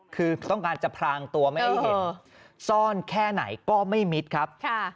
คือต้องการจะพรางตัวไม่ให้เห็นซ่อนแค่ไหนก็ไม่มิดครับ